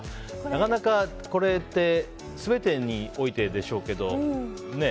なかなかこれって全てにおいてでしょうけどね。